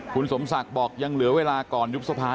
คุณสมศักดิ์บอกยังเหลือเวลาก่อนยุบสภา